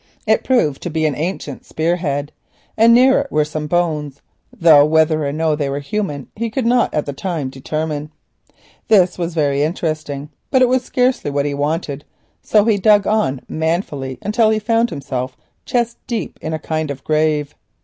It proved to be an ancient spear head, and near it were some bones, though whether or no they were human he could not at the time determine. This was very interesting, but it was scarcely what he wanted, so he dug on manfully until he found himself chest deep in a kind of grave.